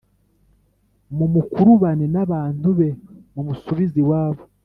mumukurubane n’abantu be mumusubize iwabo